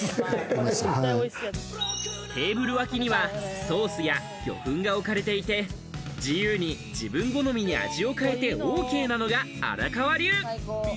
テーブル脇にはソースや魚粉が置かれていて、自由に自分好みに味を変えてＯＫなのが荒川流。